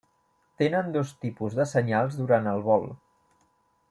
Tenen dos tipus de senyals durant el vol.